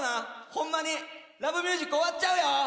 ホンマに『Ｌｏｖｅｍｕｓｉｃ』終わっちゃうよ。